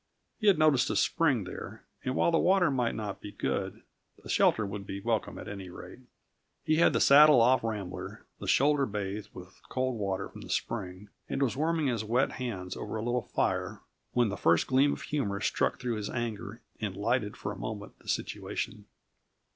He had noticed a spring there, and while the water might not be good, the shelter would be welcome, at any rate. He had the saddle off Rambler, the shoulder bathed with cold water from the spring, and was warming his wet hands over a little fire when the first gleam of humor struck through his anger and lighted for a moment the situation.